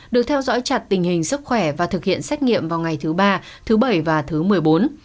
được theo dõi chặt tình hình sức khỏe và thực hiện xét nghiệm vào ngày thứ ba thứ bảy và thứ một mươi bốn